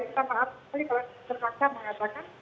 saya maksudnya kalau terpaksa mengatakan